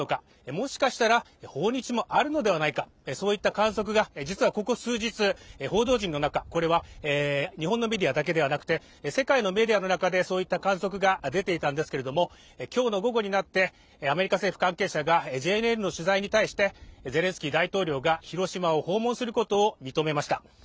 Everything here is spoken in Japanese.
もしかしたら訪日もあるのではないかという観測が実はここ数日、報道陣の中、これは日本のメディアだけでなく世界のメディアの中でそういった観測が出ていたんですけども今日の午後になってアメリカ政府関係者がＪＮＮの取材に対してゼレンスキー大統領が広島を訪問することを認めました。